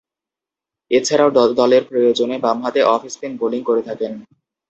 এছাড়াও, দলের প্রয়োজনে বামহাতে অফ স্পিন বোলিং করে থাকেন।